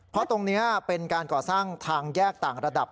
เพราะตรงนี้เป็นการก่อสร้างทางแยกต่างระดับ